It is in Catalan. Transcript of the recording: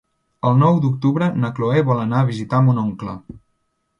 El nou d'octubre na Chloé vol anar a visitar mon oncle.